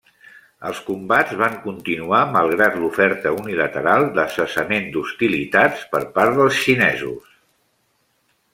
Els combats van continuar malgrat l'oferta unilateral de cessament d'hostilitats per part dels xinesos.